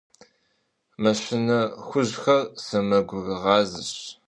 Мыщэ хужьхэр сэмэгурыгъазэщ.